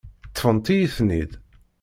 Ṭṭfent-iyi-ten-id.